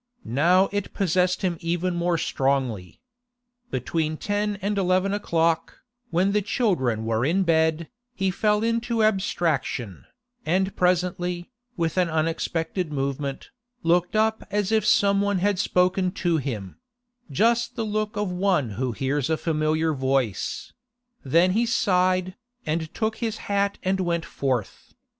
Now it possessed him even more strongly. Between ten and eleven o'clock, when the children were in bed, he fell into abstraction, and presently, with an unexpected movement, looked up as if some one had spoken to him—just the look of one who hears a familiar voice; then he sighed, and took his hat and went forth.